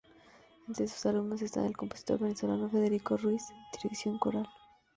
Entre sus alumnos están el compositor venezolano Federico Ruiz, dirección coral.